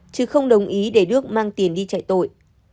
chứ không đồng ý để đức mang tiền đi chạy tội